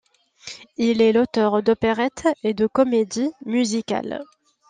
Il est l'auteur d'opérettes et de comédies musicales.